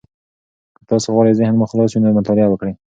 که تاسي غواړئ ذهن مو خلاص وي، نو مطالعه وکړئ.